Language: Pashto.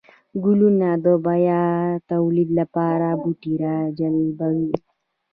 گلونه د بيا توليد لپاره بوټي راجلبوي